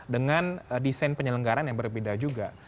dengan desain penyelenggaran yang berbeda juga